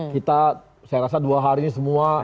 kita saya rasa dua hari ini semua